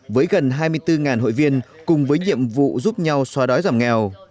với gần hai mươi bốn hội viên cùng với nhiệm vụ giúp nhau xóa đói giảm nghèo